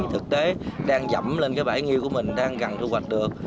thực tế đang dẫm lên cái bãi nghiêu của mình đang gần thu hoạch được